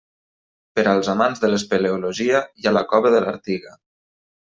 Per als amants de l'espeleologia hi ha la cova de l'Artiga.